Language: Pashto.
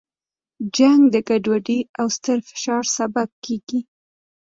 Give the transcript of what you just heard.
جنګ د ګډوډۍ او ستر فشار سبب کیږي.